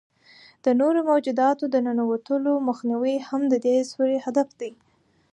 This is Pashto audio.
د نورو موجوداتو د ننوتلو مخنیوی هم د دې سوري هدف دی.